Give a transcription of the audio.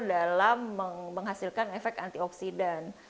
dalam menghasilkan efek antioksidan